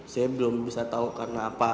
saya belum bisa tahu karena apa